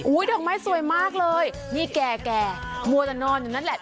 ดอกไม้สวยมากเลยนี่แก่แก่มัวแต่นอนอยู่นั่นแหละ